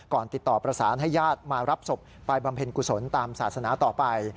ติดต่อประสานให้ญาติมารับศพไปบำเพ็ญกุศลตามศาสนาต่อไป